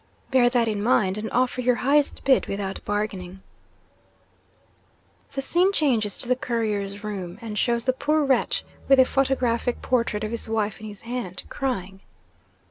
Bear that in mind; and offer your highest bid without bargaining." 'The scene changes to the Courier's room, and shows the poor wretch with a photographic portrait of his wife in his hand, crying.